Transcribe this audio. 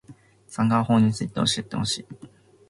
サンガ―法について教えてほしい